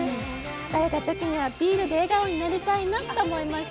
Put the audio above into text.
疲れた時にはビールで笑顔になりたいなって思いました。